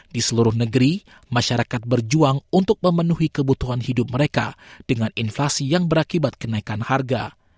di seluruh negeri masyarakat berjuang untuk memenuhi kebutuhan hidup mereka dengan inflasi yang berakibat kenaikan harga